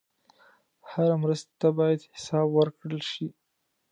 هره مرستې ته باید حساب ورکړل شي.